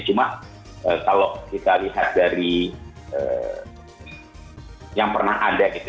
cuma kalau kita lihat dari yang pernah ada gitu